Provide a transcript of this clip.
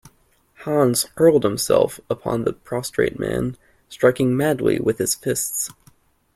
Hans hurled himself upon the prostrate man, striking madly with his fists.